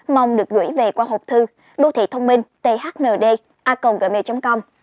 mong được gửi về qua hộp thư đô thị thông minh thnd a gmail com